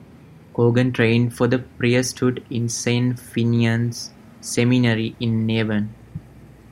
Cogan trained for the priesthood in Saint Finian's Seminary in Navan.